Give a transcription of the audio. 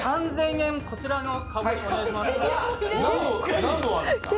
３０００円、こちらのかごに。